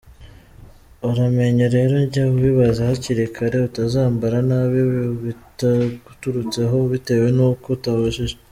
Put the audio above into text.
Uramenye rero jya ubibaza hakiri kare utazambara nabi bitaguturutseho bitewe n’uko utabajije.